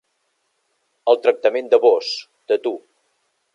El tractament de vós, de tu.